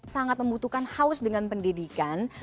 sangat membutuhkan haus dengan pendidikan